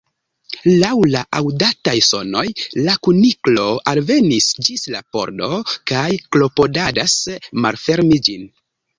Laŭ la aŭdataj sonoj la Kuniklo alvenis ĝis la pordo, kaj klopodadas malfermi ĝin.